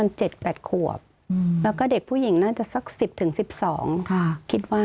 แล้วก็เด็กผู้หญิงน่าจะสัก๑๐๑๒ค่ะคิดว่า